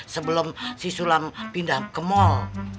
sebelum si sulam pindah ke mal